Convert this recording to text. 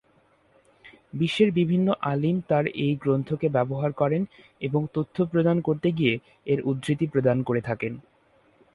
বিশ্বের বিভিন্ন আলিম তার এই গ্রন্থকে ব্যবহার করেন এবং তথ্য প্রদান করতে গিয়ে এর উদ্ধৃতি প্রদান করে থাকেন।